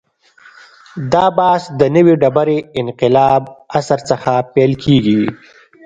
دا بحث د نوې ډبرې انقلاب عصر څخه پیل کېږي.